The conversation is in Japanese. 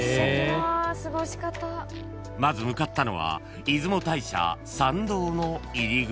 ［まず向かったのは出雲大社参道の入り口］